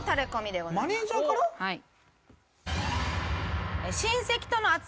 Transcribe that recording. はい。